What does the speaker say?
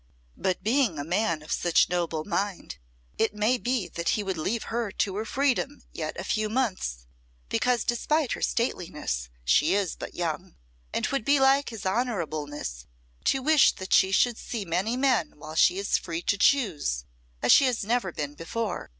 "But being a man of such noble mind, it may be that he would leave her to her freedom yet a few months, because, despite her stateliness, she is but young, and 'twould be like his honourableness to wish that she should see many men while she is free to choose, as she has never been before.